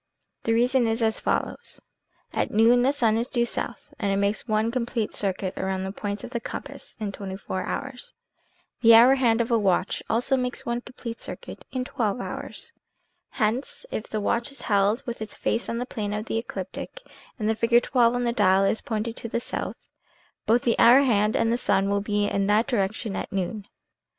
"The reason is as follows: At noon the sun is due 134 WATCH MAY BE USED AS A COMPASS 135 south, and it makes one complete circuit round the points of the compass in 24 hours* The hour hand of a watch also makes one complete circuit in 12 hours. Hence, if the watch is held with its face in the plane of the ecliptic, and the figure XII on the dial is pointed to the south, both the hour hand and the sun will be in that direction at noon.